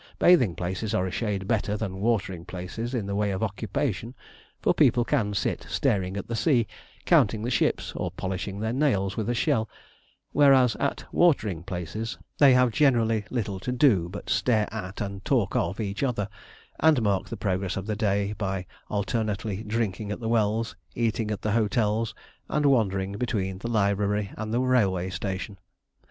Bathing places are a shade better than watering places in the way of occupation, for people can sit staring at the sea, counting the ships, or polishing their nails with a shell, whereas at watering places, they have generally little to do but stare at and talk of each other, and mark the progress of the day, by alternately drinking at the wells, eating at the hotels, and wandering between the library and the railway station.